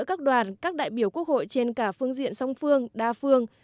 các đoàn các đại biểu quốc hội trên cả phương diện song phương đa phương